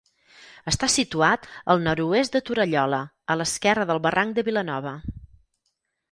Està situat al nord-oest de Torallola, a l'esquerra del barranc de Vilanova.